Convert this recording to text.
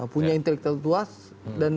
punya intelektual tuas dan